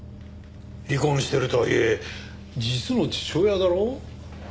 離婚しているとはいえ実の父親だろ？